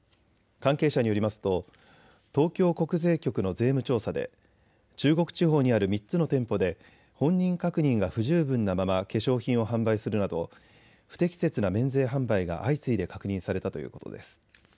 関係者によりますと東京国税局の税務調査で中国地方にある３つの店舗で本人確認が不十分なまま化粧品を販売するなど不適切な免税販売が相次いで確認されたということです。